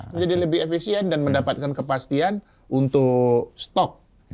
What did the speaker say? menjadi lebih efisien dan mendapatkan kepastian untuk stok